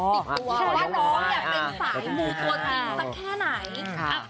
หรือว่าน้องเนี่ยเป็นสายมูตัวจริงสักแค่ไหน